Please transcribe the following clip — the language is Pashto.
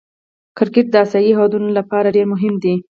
کرکټ د آسيايي هېوادو له پاره ډېر مهم دئ.